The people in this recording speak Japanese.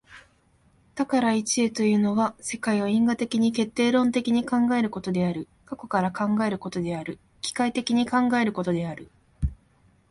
多から一へというのは、世界を因果的に決定論的に考えることである、過去から考えることである、機械的に考えることである。